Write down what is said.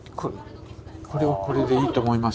これはこれでいいと思いますけど。